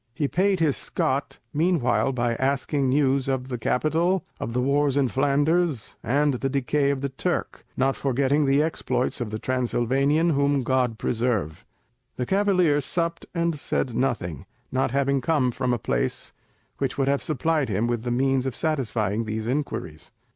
He paid his scot meanwhile by asking news of the capital, of the wars in Flanders, and the decay of the Turk, not forgetting the exploits of the Transylvanian, whom God preserve. The cavalier supped and said nothing, not having come from a place which would have supplied him with the means of satisfying these inquiries.